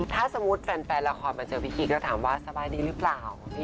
ถ้าสมมุติแฟนละครมาเจอพี่กิ๊กก็ถามว่าสบายดีหรือเปล่า